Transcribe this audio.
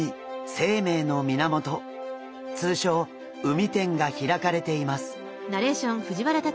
通称海展が開かれています。